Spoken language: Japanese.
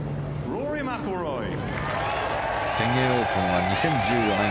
全英オープンは２０１４年